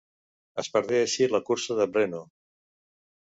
Es perdé així la cursa de Brno.